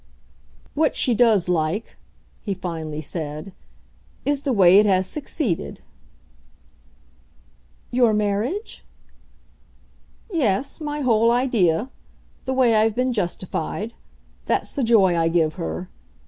"What she does like," he finally said, "is the way it has succeeded." "Your marriage?" "Yes my whole idea. The way I've been justified. That's the joy I give her.